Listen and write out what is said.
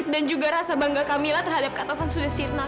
dan juga rasa bangga kamila terhadap ketaufan sudah sirna